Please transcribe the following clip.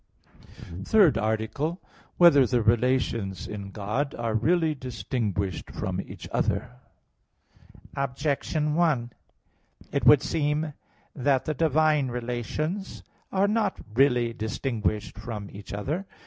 2). _______________________ THIRD ARTICLE [I, Q. 28, Art. 3] Whether the Relations in God Are Really Distinguished from Each Other? Objection 1: It would seem that the divine relations are not really distinguished from each other.